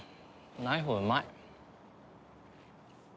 ないほうがうまい。